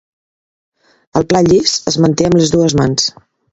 El pla llis es manté amb les dues mans.